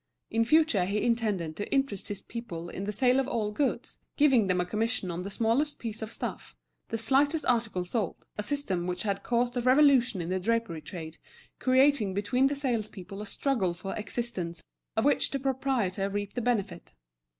In future he intended to interest his people in the sale of all goods, giving them a commission on the smallest piece of stuff, the slightest article sold: a system which had caused a revolution in the drapery trade, creating between the salespeople a struggle for existence of which the proprietor reaped the benefit.